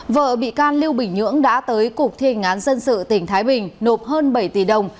vợ bị can lưu bình nhưỡng đã tới cục thiên ngán dân sự tỉnh thái bình nộp hơn bảy tỷ đồng